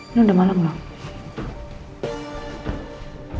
ini udah malam loh